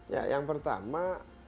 ya yang pertama